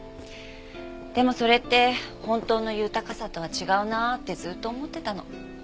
でもそれって本当の豊かさとは違うなってずっと思ってたの。